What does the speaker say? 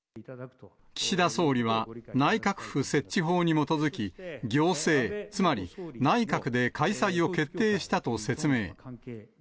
岸田総理は、内閣府設置法に基づき、行政、つまり内閣で開催を決定したと説明。